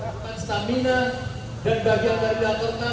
bukan stamina dan bagian dari data kita